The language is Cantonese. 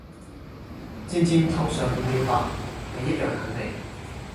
漸漸頭上染了白你一樣很美